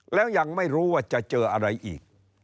แล้วยังไม่รู้ว่าจะเจออะไรอีก